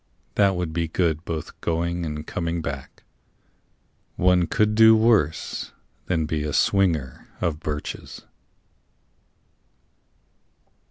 That would be good both going and coming back. One could do worse than be a swinger of birches.